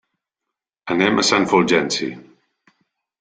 Anem a Sant Fulgenci.